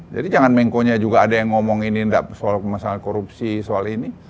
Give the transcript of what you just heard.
jadi jangan menko nya juga ada yang ngomong ini soal masalah korupsi soal ini